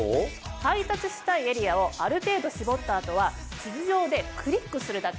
配達したいエリアをある程度絞った後は地図上でクリックするだけ。